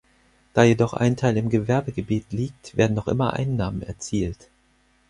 Da jedoch ein Teil im Gewerbegebiet liegt, werden noch immer Einnahmen erzielt.